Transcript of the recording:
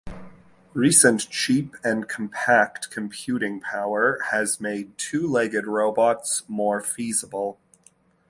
Recent cheap and compact computing power has made two-legged robots more feasible.